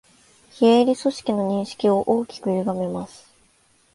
非営利組織の認識を大きくゆがめます